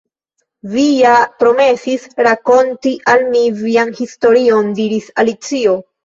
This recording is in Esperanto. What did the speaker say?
"Vi ja promesis rakonti al mi vian historion," diris Alicio.